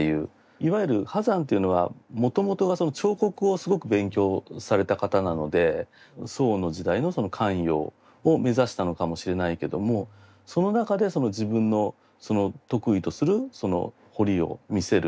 いわゆる波山というのはもともとが彫刻をすごく勉強された方なので宋の時代の官窯を目指したのかもしれないけどもその中で自分の得意とする彫りを見せる。